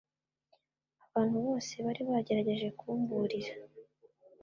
abantu bose bari bagerageje kumburira